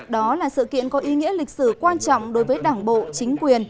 đó là sự kiện có ý nghĩa lịch sử quan trọng đối với đảng bộ chính quyền